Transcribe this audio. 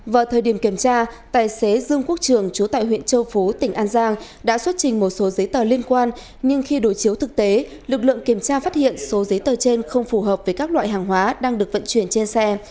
vào thời điểm kiểm tra tài xế dương quốc trường trú tại huyện châu phú tỉnh an giang đã xuất trình một số giấy tờ liên quan nhưng khi đổi chiếu thực tế lực lượng kiểm tra phát hiện số giấy tờ trên không phù hợp với các loại hàng hóa đang được vận chuyển trên xe